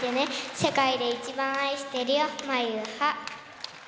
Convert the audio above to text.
世界で一番愛してるよ。